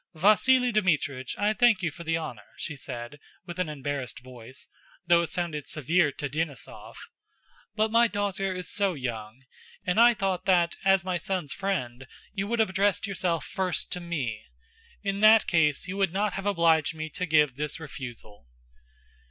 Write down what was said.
"Vasíli Dmítrich, I thank you for the honor," she said, with an embarrassed voice, though it sounded severe to Denísov—"but my daughter is so young, and I thought that, as my son's friend, you would have addressed yourself first to me. In that case you would not have obliged me to give this refusal."